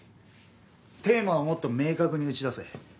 テーマをもっと明確に打ち出せ。